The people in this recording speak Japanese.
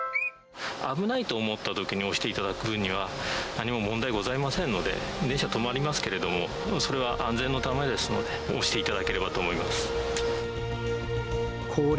危ないと思ったときに押していただくには、何も問題ございませんので、電車止まりますけれども、でもそれは安全のためですので、押していただければと思います。